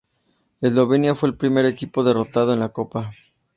Eslovenia fue el primer equipo derrotado en la Copa.